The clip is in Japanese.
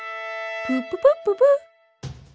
プププッププッ